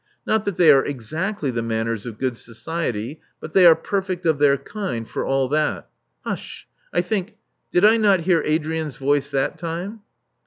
Not that they are exactly the manners of good society ; but they are perfect of their kind, for all that. Hush! I think — did I not hear Adrian's voice that time?"